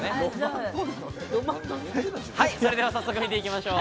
それでは早速見ていきましょう。